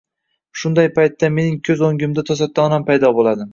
Shunday paytda mening ko‘z o‘ngimda to‘satdan onam paydo bo‘ladi.